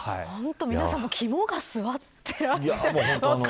皆さん肝が据わってらっしゃる。